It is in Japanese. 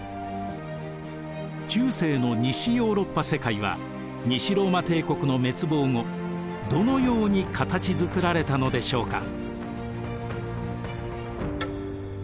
中世の西ヨーロッパ世界は西ローマ帝国の滅亡後どのように形づくられたのでしょうか。